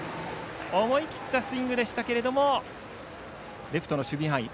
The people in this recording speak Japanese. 思い切ったスイングでしたがレフトの守備範囲。